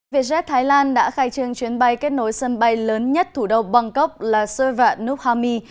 vietjet thái lan đã khai trương chuyến bay kết nối sân bay lớn nhất thủ đô bangkok là suvarnabhumi